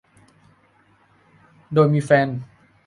โดยมีแฟน